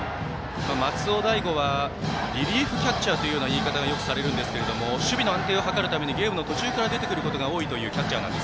松尾大悟はリリーフキャッチャーというような言い方がよくされるんですけど守備の安定をはかるためにゲームの途中から出てくることが多いというキャッチャー。